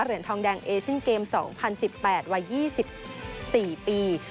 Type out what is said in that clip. เหรียญทองแดงเอเชียนเกม๒๐๑๘วัย๒๔ปี